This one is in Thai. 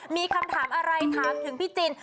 มีคำถามอะไรถามถึงพี่จิน